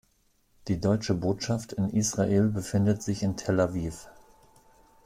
Die Deutsche Botschaft in Israel befindet sich in Tel Aviv.